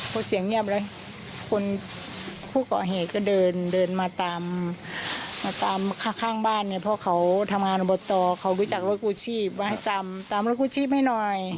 เพราะว่าเอาถามว่าเป็นไรเขาบอกว่าตีกัน